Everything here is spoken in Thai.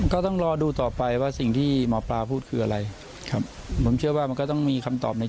ก็ต้องรอดูต่อไปว่าสิ่งที่หมอปลาพูดคืออะไร